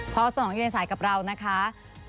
พอสนองอยู่ในสายกับเรานะคะ